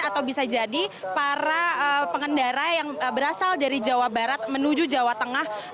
atau bisa jadi para pengendara yang berasal dari jawa barat menuju jawa tengah